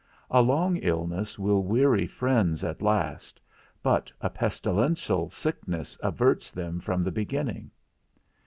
A long sickness will weary friends at last, but a pestilential sickness averts them from the beginning.